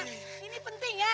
ini penting ya